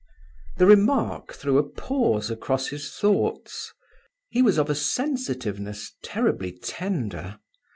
The remark threw a pause across his thoughts. He was of a sensitiveness terribly tender.